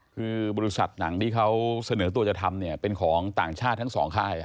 คือบริษัทหนังที่เขาเสนอตัวจะทำเนี่ยเป็นของต่างชาติทั้งสองค่าย